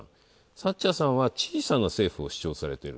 サッチャーさんは、小さな政府を主張されてる。